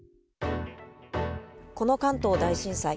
この関東大震災。